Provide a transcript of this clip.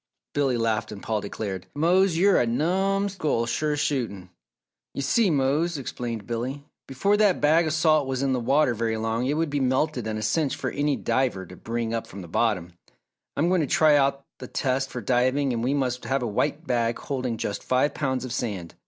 Billy laughed and Paul declared, "Mose, you're a numm skull, sure as shootin'." "You see, Mose," explained Billy, "before that bag of salt was in the water very long it would be melted and a cinch for any diver to bring up from the bottom. I am going to try out the test for diving and we must have a white bag holding just five pounds of sand.